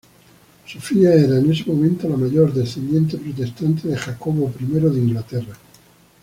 Sofía era en ese momento la mayor descendiente protestante de Jacobo I de Inglaterra.